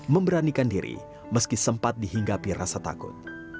memberanikan diri meski sempat dihinggapi rasa takut